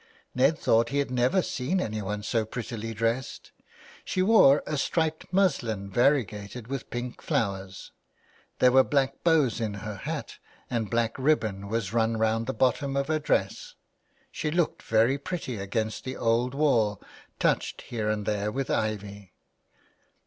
Ned thought he had never seen anyone so prettily dressed. She wore a striped muslin variegated with pink flowers ; there were black bows in her hat and black ribbon was run round the bottom of her dress ; she looked very pretty against the old wall touched here and there with ivy.